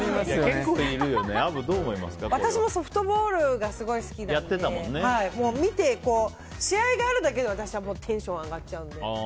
私もソフトボールがすごい好きなので見て、試合があるだけで私はテンション上がっちゃうので。